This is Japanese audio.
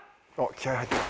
気合入ってる。